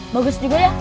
bagus juga ya